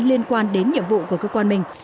liên quan đến nhiệm vụ của cơ quan mình